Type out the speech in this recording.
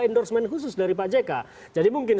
endorsement khusus dari pak jk jadi mungkin